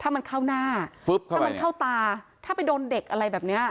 ถ้ามันเข้าหน้าถ้ามันเข้าตาถ้าไปโดนเด็กอะไรแบบเนี้ย